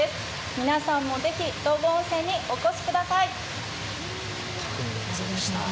皆さんもぜひ道後温泉にお越しください。